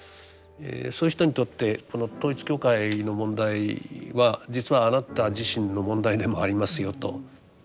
そういう人にとってこの統一教会の問題は実はあなた自身の問題でもありますよと。